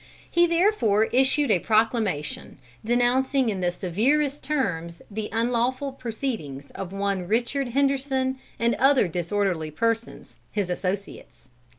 He therefore issued a proclamation, denouncing in the severest terms the "unlawful proceedings of one Richard Henderson and other disorderly persons, his associates."